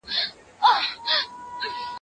ډېر پخوا د نیل پر غاړه یو قاتل وو